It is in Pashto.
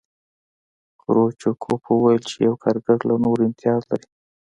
کرو چکوف وویل چې یو کارګر له نورو امتیاز لري